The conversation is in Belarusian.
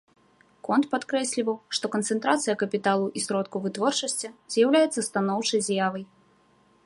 Конт падкрэсліваў, што канцэнтрацыя капіталу і сродкаў вытворчасці з'яўляецца станоўчай з'явай.